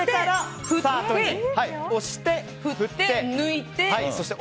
押して、振って、抜いて。